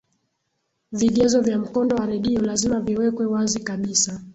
vigezo vya mkondo wa redio lazima viwekwe wazi kabisa